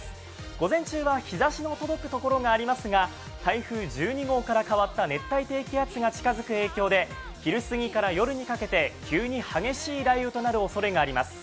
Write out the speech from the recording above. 午前中は日ざしの届くところがありますが、台風１２号から変わった熱帯低気圧が近づく影響で昼過ぎから夜にかけて、急に激しい雷雨となるおそれがあります。